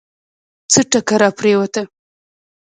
څه ټکه راپرېوته.